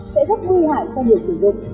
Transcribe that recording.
sẽ rất nguy hại cho người sử dụng